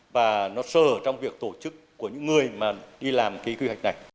và nó sơ hở trong việc tổ chức của những người mà đi làm cái quy hoạch này